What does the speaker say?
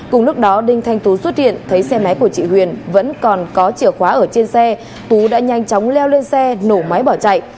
cùng lúc đó đinh thanh tú xuất hiện thấy xe máy của chị huyền vẫn còn có chìa khóa ở trên xe tú đã nhanh chóng leo lên xe nổ máy bỏ chạy